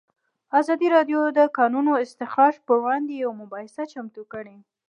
ازادي راډیو د د کانونو استخراج پر وړاندې یوه مباحثه چمتو کړې.